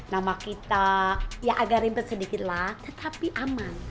nama kita ya agak ribet sedikit lah tetapi aman